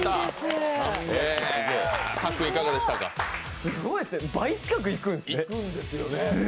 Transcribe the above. すごいですね、倍近くいくんですね。